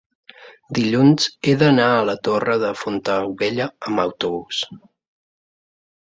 dilluns he d'anar a la Torre de Fontaubella amb autobús.